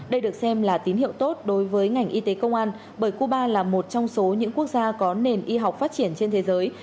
đây được xem là tín hiệu tốt đối với ngành y tế công an bởi cuba là một trong số những quốc gia có nền y học phát triển trên thế giới